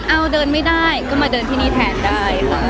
เอาเดินไม่ได้ก็มาเดินที่นี่แทนได้ค่ะ